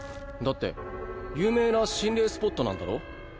だって有名な心霊スポットなんだろ？